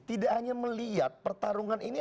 tidak hanya melihat pertarungan ini